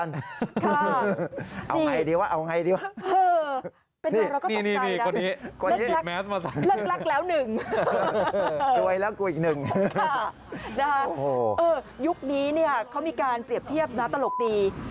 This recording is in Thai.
นะฮะเออยุคนี้เขามีการเปรียบเทียบน่าตลกดี